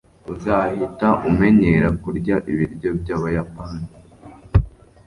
uzahita umenyera kurya ibiryo byabayapani